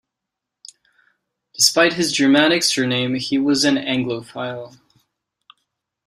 Despite his Germanic surname he was an anglophile.